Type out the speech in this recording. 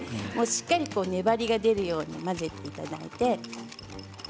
しっかり粘りが出るように混ぜていただいて。